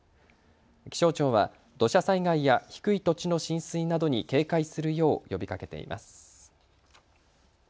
気象庁は土砂災害や低い土地の浸水などに警戒するよう呼びかけています。